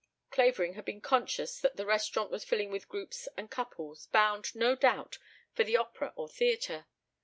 Clavering had been conscious that the restaurant was filling with groups and couples, bound, no doubt, for the opera or theatre.